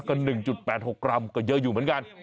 ก็๑๘๖กรัมก็เยอะอยู่เหมือนกัน